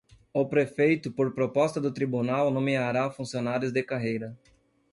O prefeito, por proposta do Tribunal, nomeará funcionários de carreira.